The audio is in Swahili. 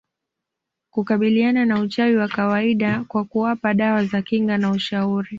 kukabiliana na uchawi wa kawaida kwa kuwapa dawa za kinga na ushauri